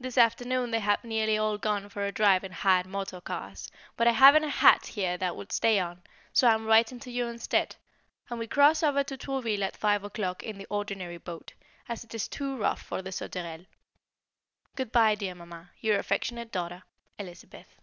This afternoon they have nearly all gone for a drive in hired motor cars, but I haven't a hat here that would stay on, so I am writing to you instead, and we cross over to Trouville at five o'clock in the ordinary boat, as it is too rough for the Sauterelle. Good bye, dear Mamma, your affectionate daughter, Elizabeth.